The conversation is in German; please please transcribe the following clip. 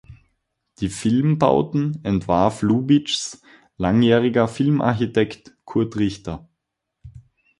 Die Filmbauten entwarf Lubitschs langjähriger Filmarchitekt Kurt Richter.